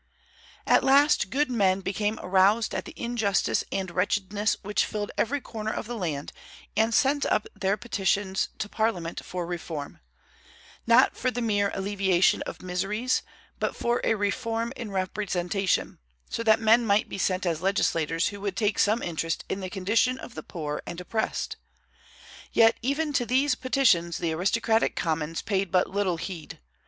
At last, good men became aroused at the injustice and wretchedness which filled every corner of the land, and sent up their petitions to Parliament for reform, not for the mere alleviation of miseries, but for a reform in representation, so that men might be sent as legislators who would take some interest in the condition of the poor and oppressed. Yet even to these petitions the aristocratic Commons paid but little heed.